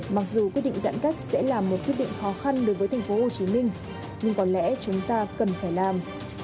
mặc dù quyết định giãn cách sẽ là một quyết định khó khăn đối với tp hcm nhưng có lẽ chúng ta cần phải làm